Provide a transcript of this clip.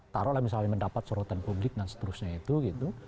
taruhlah misalnya mendapat sorotan publik dan seterusnya itu gitu